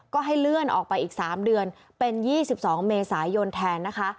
ก็ให้เลื่อนออกไปอีก๓เดือนเป็น๒๒เมษายนแทนนะคะ